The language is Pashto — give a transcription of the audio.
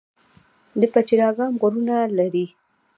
د پچیر اګام غرونه لري